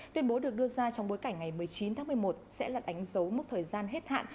tuyên bố được đưa ra trong bối cảnh ngày một mươi chín tháng một mươi một sẽ là đánh dấu mốc thời gian hết hạn